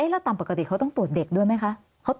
แล้วตามปกติเขาต้องตรวจเด็กด้วยไหมคะ